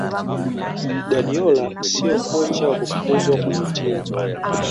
guardiola siyo kocha wa kufukuzwa kwenye timu